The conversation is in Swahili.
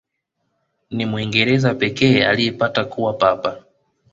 Ni Mwingereza pekee aliyepata kuwa Papa.